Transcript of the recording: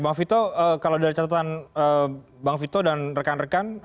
bang vito kalau dari catatan bang vito dan rekan rekan